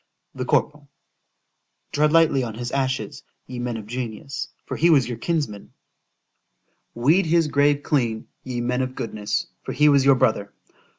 The corporal——— ——Tread lightly on his ashes, ye men of genius,——for he was your kinsman: Weed his grave clean, ye men of goodness,—for he was your brother.